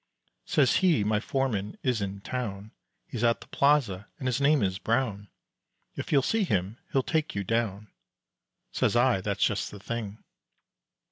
Says he, "My foreman is in town, He's at the plaza, and his name is Brown, If you'll see him, he'll take you down." Says I, "That's just the thing."